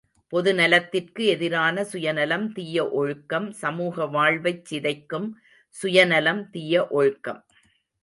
பொது நலத்திற்கு எதிரான சுயநலம் தீய ஒழுக்கம், சமூக வாழ்வைச் சிதைக்கும் சுயநலம் தீய ஒழுக்கம்.